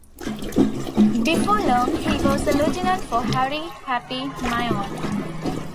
Before long, he was a lieutenant for Harry "Happy" Maione.